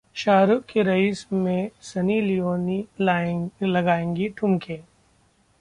शाहरुख की 'रईस' में Sunny Leone लगाएंगी ठुमके